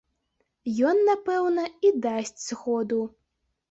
Ён, напэўна, і дасць згоду.